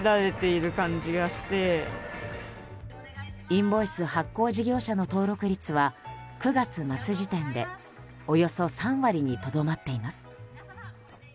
インボイス発行事業者の登録率は、９月末時点でおよそ３割にとどまっています。